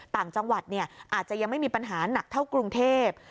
ต่างจังหวัดอาจจะยังไม่มีปัญหาหนักเท่ากรุงเทพ